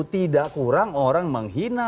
tidak kurang orang menghina